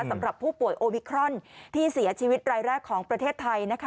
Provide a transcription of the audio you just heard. สำหรับผู้ป่วยโอมิครอนที่เสียชีวิตรายแรกของประเทศไทยนะคะ